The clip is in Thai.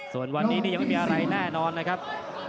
ส่วนวันนี้นี่ยังไม่มีอะไรแน่นอนนะครับ